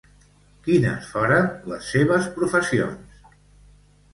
Quines foren les seves professions?